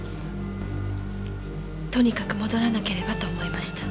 とにかく戻らなければと思いました。